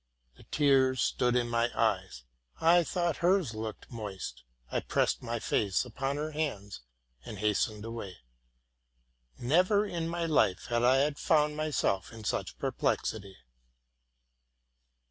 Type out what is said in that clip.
The tears stood in my eyes: I thought hers looked moist. I pressed my face upon her hands, and hastened away. Never in my life had I found myself in such perplexity.